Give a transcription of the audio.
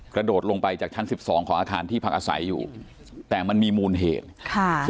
กระโดดลงไปจากชั้นสิบสองของอาคารที่พักอาศัยอยู่แต่มันมีมูลเหตุค่ะ